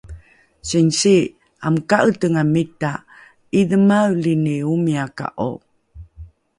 Sinsi, amo ka'etengamita! 'Idhemealini omiyaka'o?